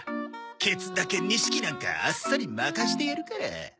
ケツだけ錦なんかあっさり負かしてやるから。